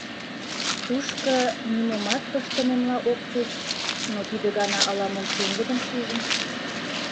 Тушко нимомат пыштымемла ок чуч, но тиде гана ала-мом пеҥгыдым шижым.